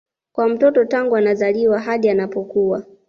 kwa mtoto tangu anazaliwa hadi anapokua